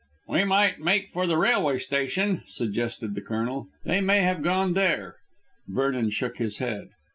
"We might make for the railway station," suggested the Colonel; "They may have gone there." Vernon shook his head.